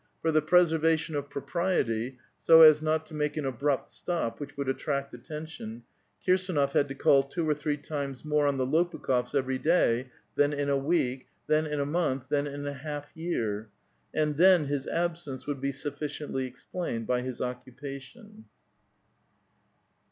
For the preserva 't^ion of propriety, so as not to make an abrupt stop, which "vvould attract attention, Kirsdnof had to call two or three "times more on the Lopukh6fs everyday, then in a week, then n a month, then in a half year ; and then his absence would sufficiently explained by his occupation.